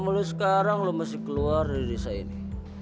mulai sekarang lo masih keluar dari desa ini